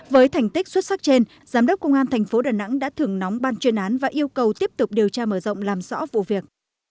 với thành tích xuất sắc trên giám đốc công an thành phố đà nẵng đã thưởng nóng ban chuyên án và yêu cầu tiếp tục điều tra mở rộng làm rõ vụ việc